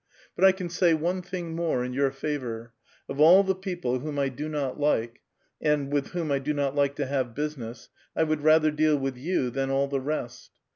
But I can say one filing more in your favor : of all the people whom 1 do not Xike, and with whom 1 do not like to have business, 1 would i*ather deal with you than all the rest.